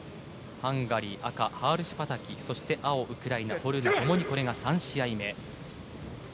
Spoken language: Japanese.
ハンガリー赤、ハールシュパタキウクライナのホルーナともにこれが３試合目。